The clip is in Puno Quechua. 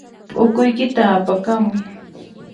P'ukuykita apakamuy.